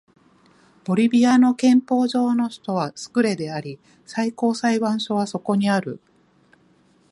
ボリビアの憲法上の首都はスクレであり最高裁判所はそこにある